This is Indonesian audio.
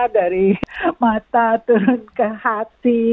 dari mata turun ke hati